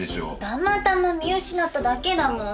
たまたま見失っただけだもん。